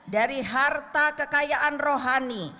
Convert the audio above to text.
dari harta kekayaan rohani